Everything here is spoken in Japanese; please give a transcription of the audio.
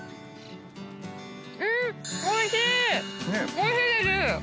おいしいです！